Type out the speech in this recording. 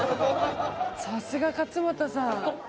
さすが勝俣さん。